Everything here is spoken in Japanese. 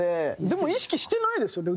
でも意識してないですよね？